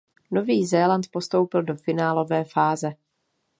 Nový Zéland postoupil do finálové fáze.